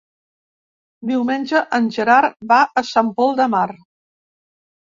Diumenge en Gerard va a Sant Pol de Mar.